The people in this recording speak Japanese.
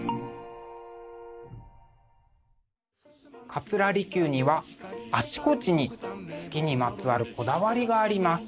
桂離宮にはあちこちに月にまつわるこだわりがあります。